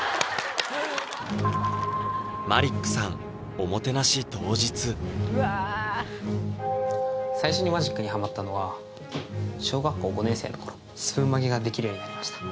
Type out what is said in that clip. おもてなし当日最初にマジックにハマったのは小学校５年生の頃スプーン曲げができるようになりました